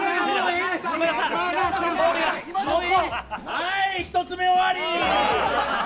はい１つ目終わり。